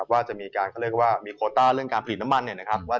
ว่าจะมีการคาร์เตอร์เรื่องการผลิตน้ำมัน